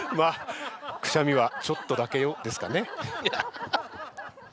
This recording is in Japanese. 「くしゃみはちょっとだけよ」ですかね？